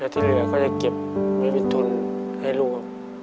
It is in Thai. แล้วทีเหลือก็จะเก็บไว้วิทย์ทุนให้ลูกครับ